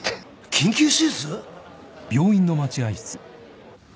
緊急手術？